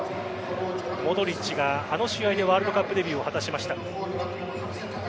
モドリッチはあの試合でワールドカップデビューを果たしました。